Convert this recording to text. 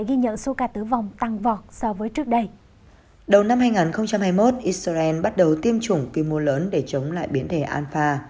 israel bắt đầu tiêm chủng quy mô lớn để chống lại biến thể alpha